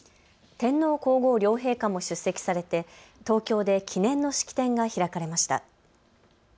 天皇皇后両陛下も出席されて東京で記念の式典が開かれました。